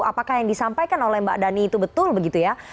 apakah yang disampaikan oleh mbak dhani itu betul begitu ya